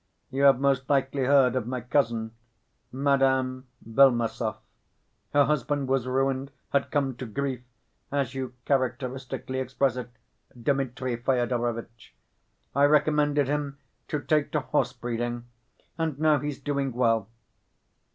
You have most likely heard of my cousin, Madame Belmesov. Her husband was ruined, 'had come to grief,' as you characteristically express it, Dmitri Fyodorovitch. I recommended him to take to horse‐breeding, and now he's doing well.